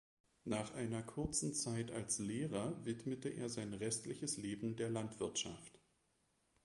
Nach einer kurzen Zeit als Lehrer widmete er sein restliches Leben der Landwirtschaft.